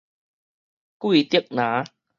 桂竹林